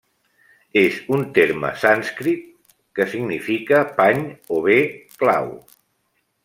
És un terme sànscrit que significa pany o bé clau.